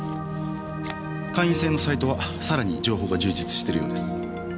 会員制のサイトはさらに情報が充実してるようです。